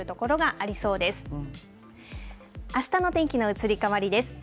あしたの天気の移り変わりです。